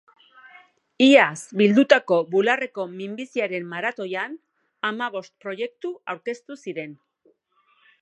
Iaz bildutako bularreko minbiziaren maratoian hamabost proiektu aurkeztu ziren.